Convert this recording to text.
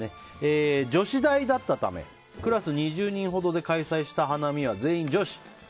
女子大だったためクラス２０人ほどで開催した花見は全員女子。